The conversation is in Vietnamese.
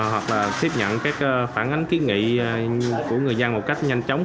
hoặc là tiếp nhận các phản ánh ký nghị của người dân một cách nhanh chóng